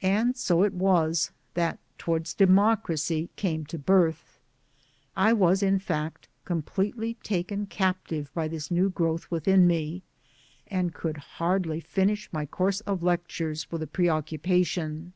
And so it was that Towards Democracy came to birth. I was in fact completely taken captive by this new growth within me, and could hardly finish my course of lectures for the preoccupation.